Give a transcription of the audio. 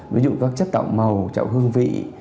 ví dụ các chất tạo màu chất tạo hương vị